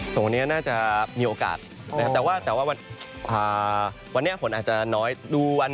ตอนเช้าหน่อยนะครับ